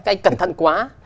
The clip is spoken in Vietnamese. cái anh cẩn thận quá